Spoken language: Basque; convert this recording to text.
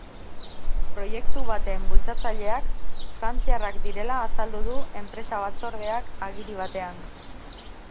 Proiektu baten bultzatzaileak frantziarrak direla azaldu du enpresa-batzordeak agiri batean.